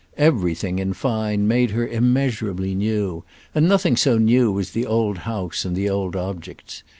Everything in fine made her immeasurably new, and nothing so new as the old house and the old objects.